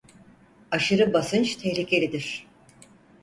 Aşırı basınç tehlikelidir.